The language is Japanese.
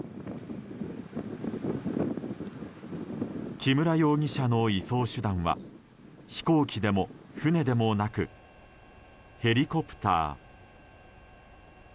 木村容疑者の移送手段は飛行機でも船でもなくヘリコプター。